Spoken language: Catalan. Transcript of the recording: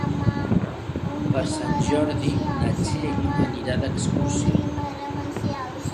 Per Sant Jordi na Txell anirà d'excursió.